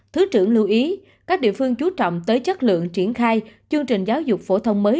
thứ trưởng lưu ý các địa phương chú trọng tới chất lượng triển khai chương trình giáo dục phổ thông mới